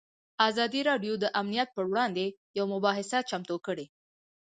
ازادي راډیو د امنیت پر وړاندې یوه مباحثه چمتو کړې.